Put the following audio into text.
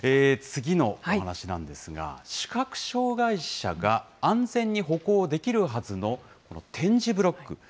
次のお話なんですが、視覚障害者が安全に歩行できるはずの、この点字ブロック。